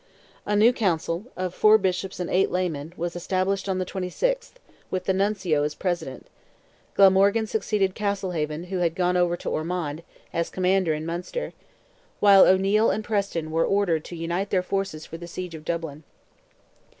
A new council, of four bishops and eight laymen, was established on the 26th, with the Nuncio as president; Glamorgan succeeded Castlehaven, who had gone over to Ormond, as commander in Munster; while O'Neil and Preston were ordered to unite their forces for the siege of Dublin.